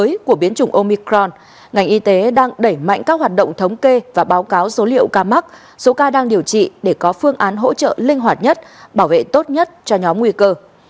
trước của biến chủng omicron ngành y tế đang đẩy mạnh các hoạt động thống kê và báo cáo số liệu ca mắc số ca đang điều trị để có phương án hỗ trợ linh hoạt nhất bảo vệ tốt nhất cho nhóm nguy cơ